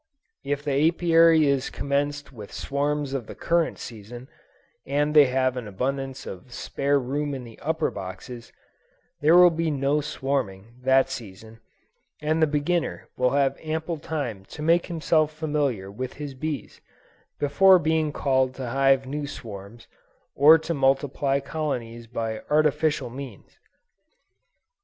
If the Apiary is commenced with swarms of the current season, and they have an abundance of spare room in the upper boxes, there will be no swarming, that season, and the beginner will have ample time to make himself familiar with his bees, before being called to hive new swarms, or to multiply colonies by artificial means.